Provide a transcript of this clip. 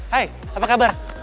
hai apa kabar